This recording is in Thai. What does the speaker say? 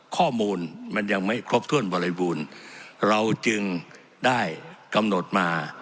ข้อมูลมันยังไม่ครบถ้วนบริบูรณ์เราจึงได้กำหนดมา